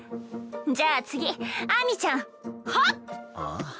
じゃあ次秋水ちゃん。はっ！あっ？